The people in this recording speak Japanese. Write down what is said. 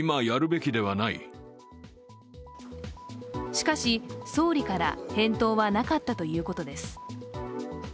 しかし、総理から返答はなかったということです。